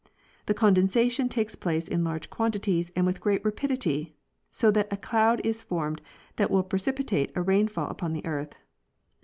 The condensation takes place in large quantities and with great rapidity, so that a cloud is formed that will precipitate a rainfall upon the earth.